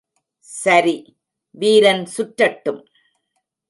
சரி, வீரன் சுற்றட்டும்.